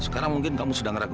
sekarang mungkin kamu sedang ragu